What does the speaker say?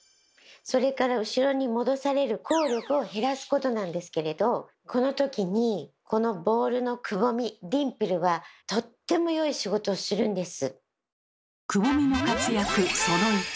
それから後ろに戻される抗力を減らすことなんですけれどこのときにこのボールのくぼみディンプルはとってもよい仕事をするんです。